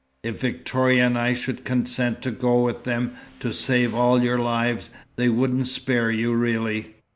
If Victoria and I should consent to go with them, to save all your lives, they wouldn't spare you really.